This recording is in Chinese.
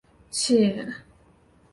且肇俊哲在比赛中还攻入一球。